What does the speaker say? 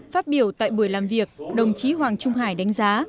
phát biểu tại buổi làm việc đồng chí hoàng trung hải đánh giá